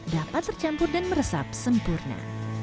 dapat tercampur dan meresap sempurna